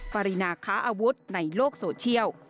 ปรินาค้าอาวุธในโลกโซเชียล